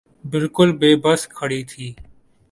بالکل بے بس کھڑی تھی۔